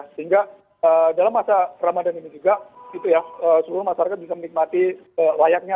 sehingga dalam masa ramadan ini juga seluruh masyarakat bisa menikmati layaknya